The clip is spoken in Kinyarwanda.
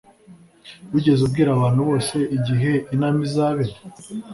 Wigeze ubwira abantu bose igihe inama izabera